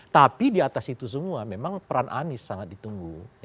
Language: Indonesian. tapi di atas itu semua memang peran anies sangat ditunggu